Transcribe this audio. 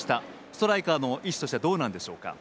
ストライカーの意思はどうなんでしょうか？